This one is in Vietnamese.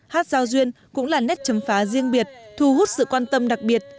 hát giao duyên cũng là nét chấm phá riêng biệt thu hút sự quan tâm đặc biệt